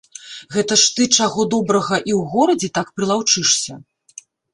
Гэта ж ты, чаго добрага, і ў горадзе так прылаўчышся.